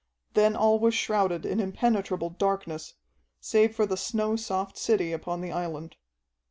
Then all was shrouded in impenetrable darkness, save for the snow soft city upon the island.